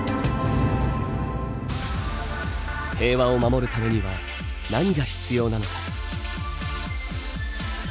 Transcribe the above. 平和を守るためには何が必要なのか。